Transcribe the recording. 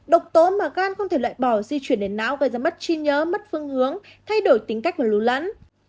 độc tố mà gan không thể loại bỏ di chuyển đến não gây ra mất chi nhớ mất phương hướng thay đổi tính cách và lưu lẫn